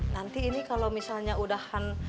nanti ini kalau misalnya udah kan